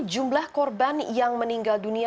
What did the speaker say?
jumlah korban yang meninggal dunia